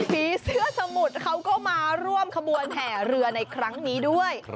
ผีเสื้อสมุทรเขาก็มาร่วมขบวนแห่เรือในครั้งนี้ด้วย